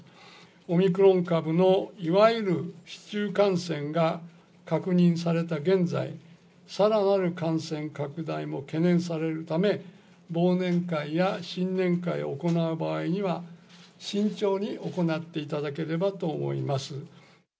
オミクロン株のいわゆる市中感染が確認された現在、さらなる感染拡大も懸念されるため、忘年会や新年会を行う場合には、慎重に行っていただければと思います。